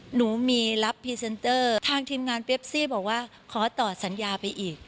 หนูมีรับพรีเซนเตอร์ทางทีมงานเปปซี่บอกว่าขอต่อสัญญาไปอีก